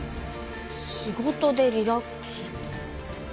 仕事でリラックス。